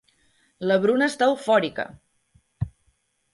La Bruna està eufòrica.